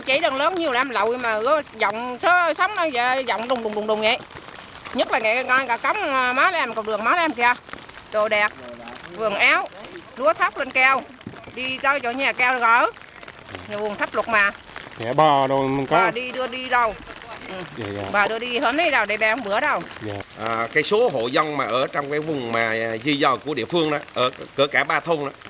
cái số hộ dân ở trong vùng di dời của địa phương cỡ cả ba thôn